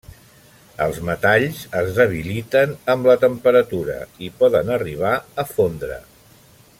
Els metalls es debiliten amb la temperatura i poden arribar a fondre.